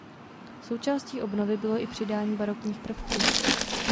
Součástí obnovy bylo i přidání barokních prvků.